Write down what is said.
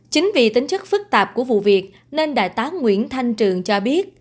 chính vì tính chất phức tạp của vụ việc nên đại tá nguyễn thanh trường cho biết